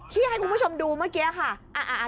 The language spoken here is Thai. ที่ให้คุณผู้ชมดูเมื่อกี้ค่ะ